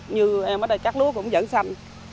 như em ở đây cắt lúa cũng vẫn xanh